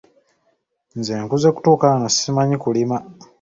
Nze nkuze kutuuka wano ssimanyi kulima.